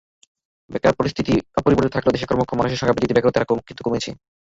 বেকার পরিস্থিতি অপরিবর্তিত থাকলেও দেশের কর্মক্ষম মানুষের সংখ্যা বৃদ্ধিতে বেকারত্বের হার কিন্তু কমেছে।